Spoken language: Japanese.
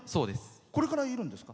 これから、射るんですか？